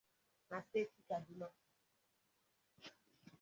na steeti Kaduna.